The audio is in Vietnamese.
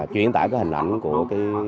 chuyển tải cái hình ảnh của